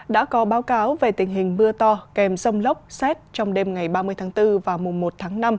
đã có báo cáo về tình hình mưa to kèm rông lốc xét trong đêm ngày ba mươi tháng bốn và mùa một tháng năm